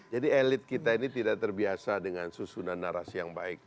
jadi elit kita ini tidak terbiasa dengan susunan narasi yang baik